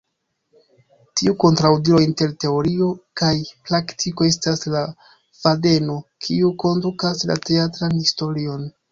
Tiu kontraŭdiro inter teorio kaj praktiko estas la fadeno kiu kondukas la teatran historion.